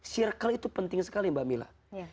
circle itu penting sekali mbak mila